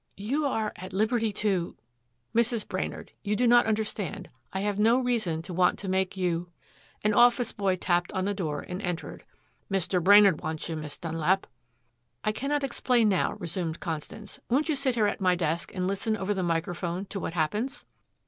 "You are at liberty to " "Mrs. Brainard. You do not understand. I have no reason to want to make you " An office boy tapped on the door and entered. "Mr. Brainard wants you, Miss Dunlap." "I cannot explain now," resumed Constance. "Won't you sit here at my desk and listen over the microphone to what happens!"